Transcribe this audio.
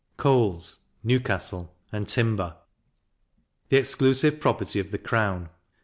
Coals (Newcastle) and Timber the exclusive property of the crown.